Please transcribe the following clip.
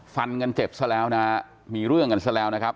ฟันกันเจ็บซะแล้วนะฮะมีเรื่องกันซะแล้วนะครับ